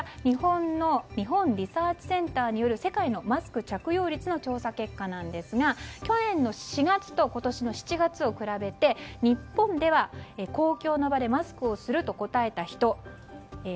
日本リサーチセンターによる世界のマスク着用率の調査結果なんですが去年４月と今年７月を比べて日本では、公共の場でマスクをすると答えた人８９％。